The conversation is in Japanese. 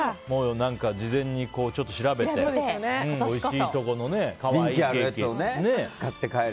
事前に調べておいしいところの可愛いケーキ。